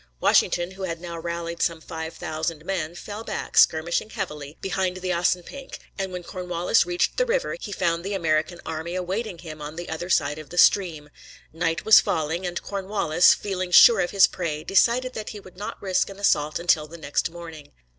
Washington, who had now rallied some five thousand men, fell back, skirmishing heavily, behind the Assunpink, and when Cornwallis reached the river he found the American army awaiting him on the other side of the stream. Night was falling, and Cornwallis, feeling sure of his prey, decided that he would not risk an assault until the next morning.